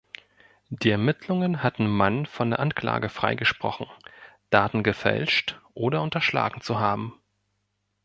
Die Ermittlungen hatten Mann von der Anklage freigesprochen, Daten gefälscht oder unterschlagen zu haben.